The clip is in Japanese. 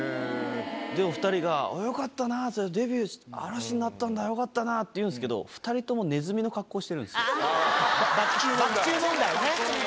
で、お２人が、よかったなって、デビュー、嵐になったんだ、よかったなっていうんですけど、２人ともネズミの格好してるんですよ。